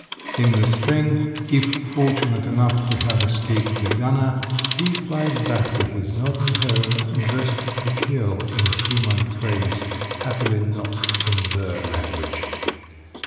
In the spring, if fortunate enough to have escaped the gunner, he flies back to his northern home, "dressed to kill," in human phrase, happily not, in bird language.